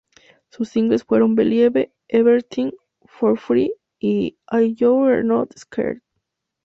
Sus singles fueron ""Believe"", ""Everything for Free"" y ""If You're Not Scared"".